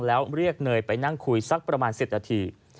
แล้วเรียกเนยไปนั่งคุยสักประมาณ๑๐นาที